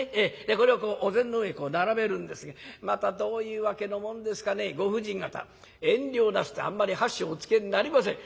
これをお膳の上に並べるんですけどまたどういうわけのもんですかねご婦人方遠慮なすってあんまり箸をおつけになりません。